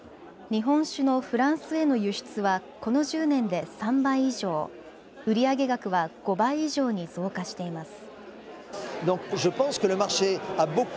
日本酒のフランスへの輸出はこの１０年で３倍以上、売上額は５倍以上に増加しています。